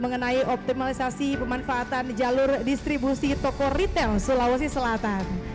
mengenai optimalisasi pemanfaatan jalur distribusi toko retail sulawesi selatan